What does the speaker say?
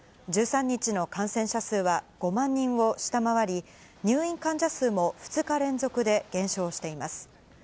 １３日の感染者数は５万人を下回り、入院患者数も２日連続で減少しています。